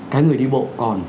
cái người đi bộ còn